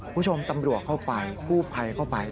คุณผู้ชมตำรวจเข้าไปกู้ภัยเข้าไป